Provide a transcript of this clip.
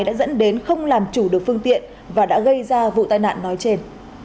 đã dẫn đến không làm chủ được phương tiện và đã gây ra vụ tai nạn nói trên